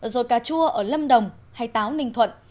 rồi cà chua ở lâm đồng hay táo ninh thuận